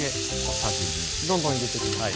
どんどん入れていきます。